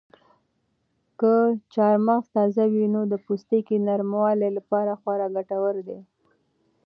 که چهارمغز تازه وي نو د پوستکي د نرموالي لپاره خورا ګټور دي.